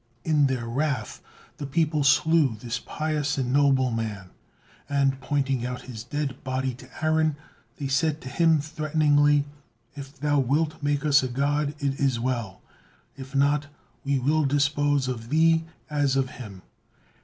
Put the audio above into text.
In their wrath, the people slew this pious and noble man; and, pointing out his dead body to Aaron, they said to him threateningly: "If thou wilt make us a god, it is well, if not we will dispose of thee as of him."